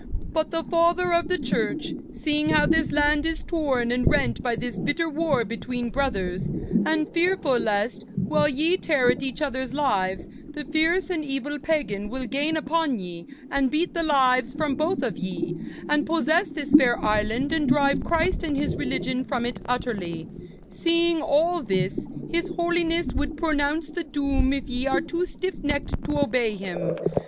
But the Father of the Church, seeing how this land is torn and rent by this bitter war between brothers, and fearful lest, while ye tear at each others' lives, the fierce and evil pagan will gain upon ye and beat the lives from both of ye, and possess this fair island and drive Christ and His religion from it utterly seeing all this, his Holiness would pronounce the doom if ye are too stiffnecked to obey him.